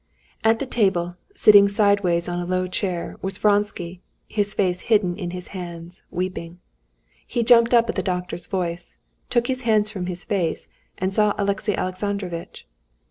At the table, sitting sideways in a low chair, was Vronsky, his face hidden in his hands, weeping. He jumped up at the doctor's voice, took his hands from his face, and saw Alexey Alexandrovitch.